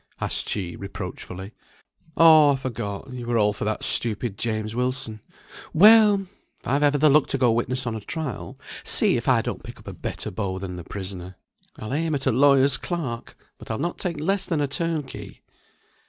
asked she, reproachfully. "Oh I forgot. You were all for that stupid James Wilson. Well! if I've ever the luck to go witness on a trial, see if I don't pick up a better beau than the prisoner. I'll aim at a lawyer's clerk, but I'll not take less than a turnkey."